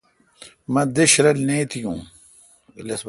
مہ دیش رل نہ ایتھیوں۔